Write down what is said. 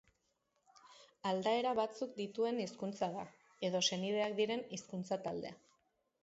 Aldaera batzuk dituen hizkuntza da, edo senideak diren hizkuntza-taldea.